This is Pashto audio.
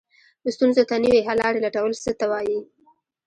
ستونزو ته نوې حل لارې لټول څه ته وایي؟